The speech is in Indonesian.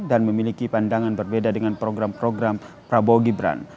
dan memiliki pandangan berbeda dengan program program prabowo gibran